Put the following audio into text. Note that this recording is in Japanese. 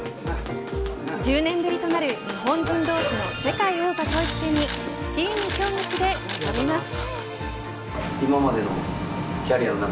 １０年ぶりとなる日本人同士の世界王座統一戦にチーム京口で臨みます。